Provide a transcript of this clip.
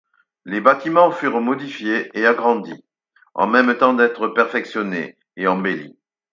Les bâtiments furent modifiés et agrandis en même temps d'être perfectionnés et embellis.